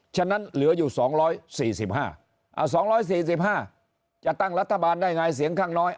ฉะนั้นเหลืออยู่๒๔๒๔๕จะตั้งรัฐบาลได้ไงเสียงข้างน้อย